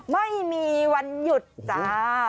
ไม่มีวันหยุดจ้า